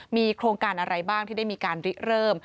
มีโครงการอะไรบ้างที่ได้มีการริเริ่ม